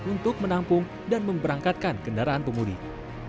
untuk menampung dan memberangkatkan kendaraan pemudik